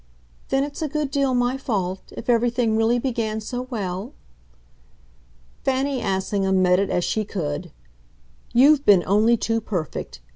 "Then it's a good deal my fault if everything really began so well?" Fanny Assingham met it as she could. "You've been only too perfect.